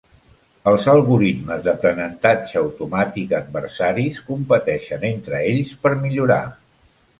Els algoritmes d'aprenentatge automàtic adversaris competeixen entre ells per millorar.